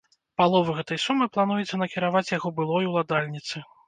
Палову гэтай сумы плануецца накіраваць яго былой уладальніцы.